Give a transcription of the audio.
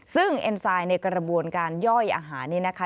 ซึ่งเอ็นไซด์ในกระบวนการย่อยอาหารนี้นะคะ